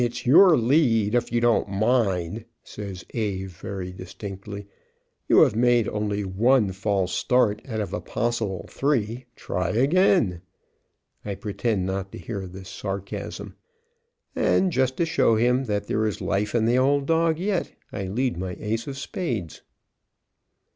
'"] "It's your lead, if you don't mind," says A very distinctly. "You have made only one false start out of a possible three. Try again." I pretend not to hear this sarcasm, and, just to show him that there is life in the old dog yet, I lead my ace of spades.